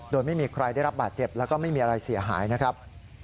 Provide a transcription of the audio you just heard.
โดยไม่มีใครได้รับบาดเจ็บแล้วก็ไม่มีอะไรเสียหายนะครับ